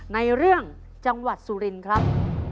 ในเรื่องจังหวัดสุรินครับ